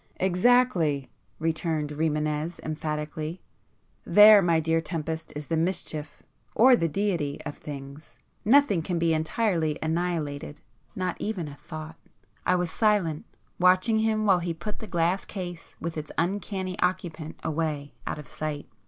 "Exactly!" returned Rimânez emphatically. "There, my dear Tempest, is the mischief,—or the deity,—of things. Nothing can be entirely annihilated;—not even a thought." [p 58]I was silent, watching him while he put the glass case with its uncanny occupant away out of sight.